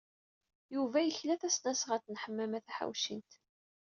Yuba yekla tasnasɣalt n Ḥemmama Taḥawcint.